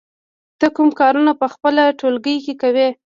ته کوم کارونه په خپل ټولګي کې کوې؟